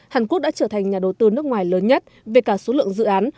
hàn quốc đã trở thành nhà đầu tư nước ngoài lớn nhất về cả số lượng dự án